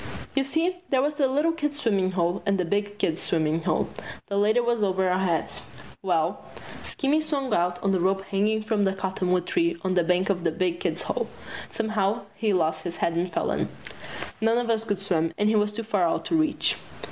You see, there was the little kids' swimmin' hole and the big kids' swimmin' hole. The latter was over our heads. Well, Skinny swung out on the rope hanging from the cottonwood tree on the bank of the big kids' hole. Somehow he lost his head and fell in. None of us could swim, and he was too far out to reach.